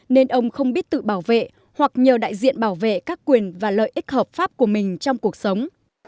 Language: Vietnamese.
nên ông không biết tự bảo vệ hoặc nhờ đại diện bảo vệ các quyền và lợi ích hợp pháp của mình trong cuộc sống